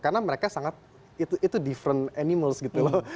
karena mereka sangat itu different animals gitu loh